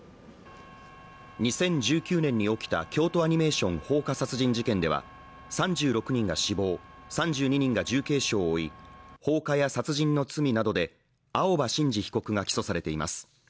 ２０１９年に起きた京都アニメーション放火殺人事件では３６人が死亡、３２人が重軽傷を負い、放火や殺人の罪などで青葉真司被告が起訴されています。